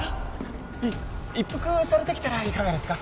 い一服されてきたらいかがですか？